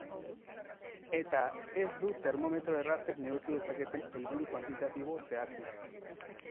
Eta ez du termometro errazek neurtu dezaketen helburu kuantitatibo zehatzik.